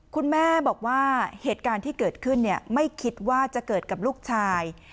คุณแม่บอกว่าเหตุการณ์ที่เกิดขึ้นไม่คิดว่าจะเกิดกับลูกชาย